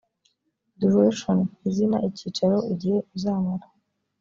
duration izina icyicaro igihe uzamara